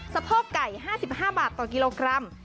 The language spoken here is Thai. สะโพกไก่๕๕บาทต่อกิโลกรัม